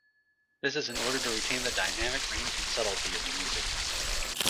This is in order to retain the dynamic range and subtlety of the music.